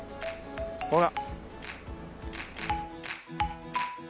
ほら。